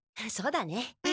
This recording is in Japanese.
そうだね。